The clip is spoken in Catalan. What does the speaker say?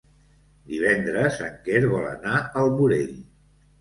Divendres en Quer vol anar al Morell.